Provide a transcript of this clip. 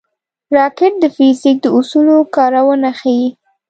راکټ د فزیک د اصولو کارونه ښيي